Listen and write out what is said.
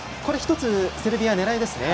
１つ、セルビア、狙いですね。